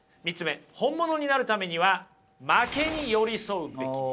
本物になるためには負けに寄り添うべきである。